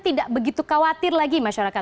tidak begitu khawatir lagi masyarakat